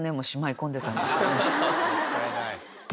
もったいない。